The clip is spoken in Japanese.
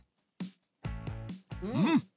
うん！